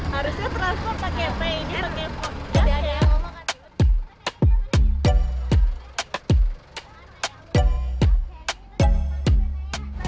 harusnya transport pakai pay dia pakai port